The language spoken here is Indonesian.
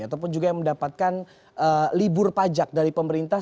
ataupun juga yang mendapatkan libur pajak dari pemerintah